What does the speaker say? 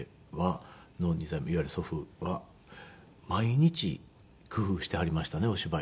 いわゆる祖父は毎日工夫してはりましたねお芝居を。